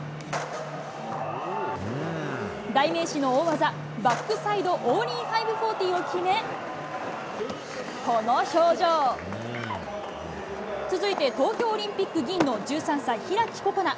代名詞の大技、バックサイドオーリー５４０を決め、この表情。続いて、東京オリンピック銀の１３歳、開心那。